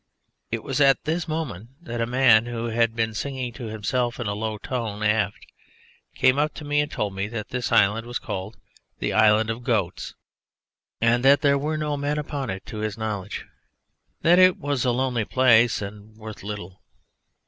It was at this moment that a man who had been singing to himself in a low tone aft came up to me and told me that this island was called the Island of Goats and that there were no men upon it to his knowledge, that it was a lonely place and worth little.